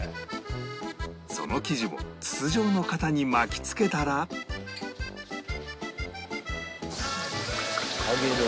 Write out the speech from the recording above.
その生地を筒状の型に巻きつけたら揚げる。